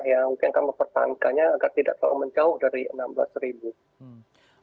yang mungkin akan mempertangkannya agar tidak terlalu menjauh dari rp enam belas